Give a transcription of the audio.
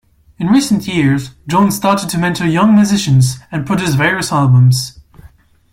In recent years Jones started to mentor young musicians and produced various albums.